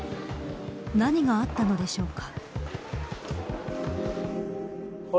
何があったのでしょうか。